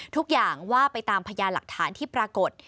ทุกอย่างว่าไปตามพยานหลักฐานที่ปรากฏ